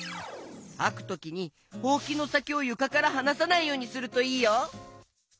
はくときにほうきのさきをゆかからはなさないようにするといいよ。